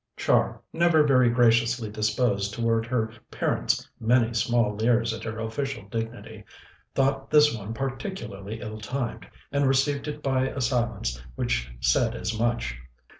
Char, never very graciously disposed towards her parent's many small leers at her official dignity, thought this one particularly ill timed, and received it by a silence which said as much.